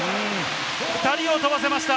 ２人を飛ばせました。